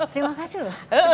terima kasih loh